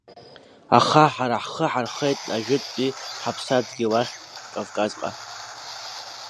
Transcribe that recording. Аха ҳара ҳхы ҳархеит ажәытәтәи ҳаԥсадгьыл ахь, Кавказҟа.